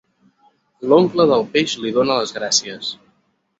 L'oncle del peix li dóna les gràcies.